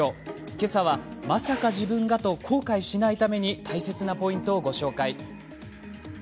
けさは、まさか自分がと後悔しないために大切なポイントをご紹介。